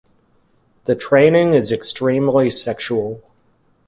The training is extremely sexual.